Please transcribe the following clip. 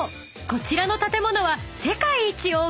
こちらの建物は］